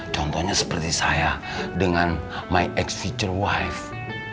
contohnya seperti saya dengan my ex future wife